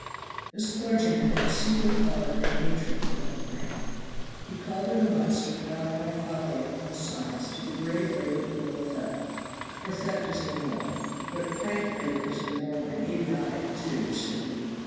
This clergyman had a secret horror and hatred of the crank. He called it a monster got by folly upon science to degrade labor below theft; for theft is immoral, but crank labor is immoral and idiotic, too, said he.